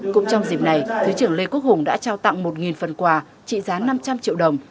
cũng trong dịp này thứ trưởng lê quốc hùng đã trao tặng một phần quà trị giá năm trăm linh triệu đồng